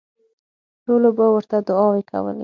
ټولو به ورته دوعاوې کولې.